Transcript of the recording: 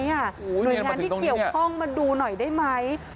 หน่วยงานที่เกี่ยวข้องมาดูหน่อยได้ไหม